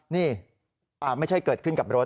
นี่ไม่ใช่เกิดขึ้นกับรถ